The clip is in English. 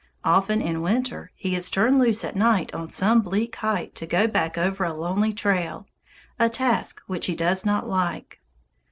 Often, in winter, he is turned loose at night on some bleak height to go back over a lonely trail, a task which he does not like.